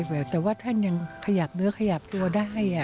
แต่ว่าท่านยังขยับเนื้อขยับตัวได้